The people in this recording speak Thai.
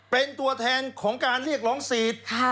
เป็นตัวแทนของการเรียกร้องสิทธิ์